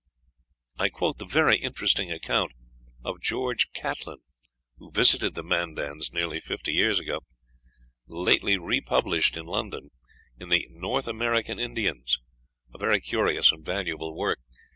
I quote the very interesting account of George Catlin, who visited the Mandans nearly fifty years ago, lately republished in London in the "North American Indians," a very curious and valuable work.